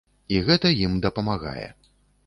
І гэта ім дапамагае.